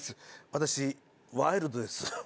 私ワイルドです。